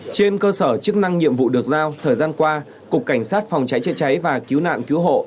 trên cơ sở chức năng nhiệm vụ được giao thời gian qua cục cảnh sát phòng cháy chữa cháy và cứu nạn cứu hộ